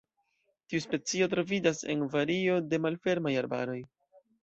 Tiu specio troviĝas en vario de malfermaj arbaroj.